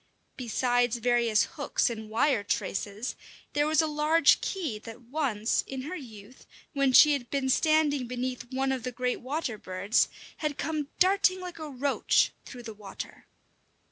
Besides various hooks and wire traces, there was a large key that once, in her youth, when she had been standing beneath one of the great water birds, had come darting like a roach through the water.